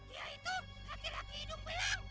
dia itu laki laki hidup belang